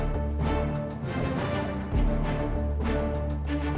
nggak ada yang nunggu